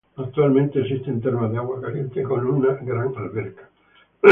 Actualmente existen termas de agua caliente con una gran alberca.